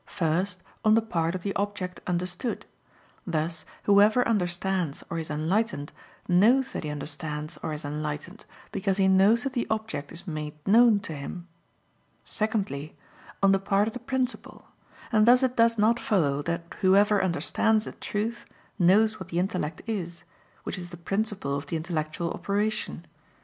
First, on the part of the object understood; thus whoever understands or is enlightened, knows that he understands or is enlightened, because he knows that the object is made known to him. Secondly, on the part of the principle; and thus it does not follow that whoever understands a truth, knows what the intellect is, which is the principle of the intellectual operation.